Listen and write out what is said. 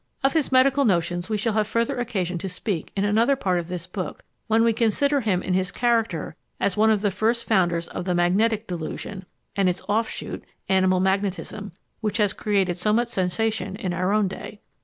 Of his medical notions we shall have further occasion to speak in another part of this book, when we consider him in his character as one of the first founders of the magnetic delusion, and its offshoot, animal magnetism, which has created so much sensation in our own day.